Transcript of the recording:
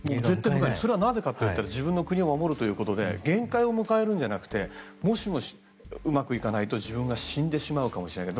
それはなぜか自分の国を守るということで限界を迎えるんじゃなくてもしもうまくいかないと自分が死んでしまうかもしれない。